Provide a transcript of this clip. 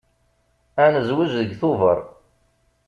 Ad nezweǧ deg Tubeṛ.